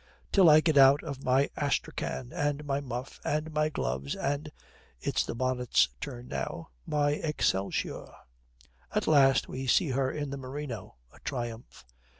'till I get out of my astrakhan and my muff and my gloves and' (it is the bonnet's turn now) 'my Excelsior.' At last we see her in the merino (a triumph).